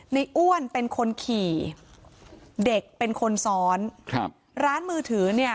อ้วนเป็นคนขี่เด็กเป็นคนซ้อนครับร้านมือถือเนี่ย